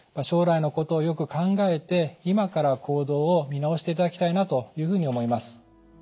将来のことをよく考えて今から行動を見直していただきたいなというふうに思います。